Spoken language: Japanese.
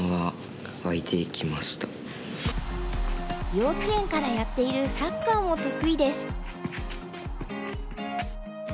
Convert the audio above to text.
幼稚園からやっているサッカーも得意です。